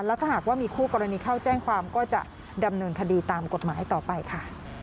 แล้วถ้าหากว่ามีคู่กรณีเข้าแจ้งความก็จะดำเนินคดีตามกฎหมายต่อไปค่ะ